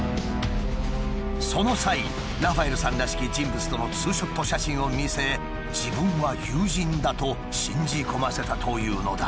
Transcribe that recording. その際ラファエルさんらしき人物とのツーショット写真を見せ「自分は友人だ」と信じ込ませたというのだ。